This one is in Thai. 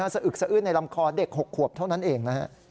สะอึกสะอื้นในลำคอเด็ก๖ขวบเท่านั้นเองนะฮะ